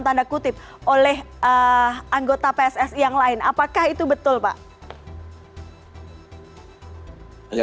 tanda kutip oleh anggota pssi yang lain apakah itu betul pak ya